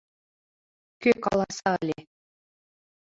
Кӧ каласа ыле?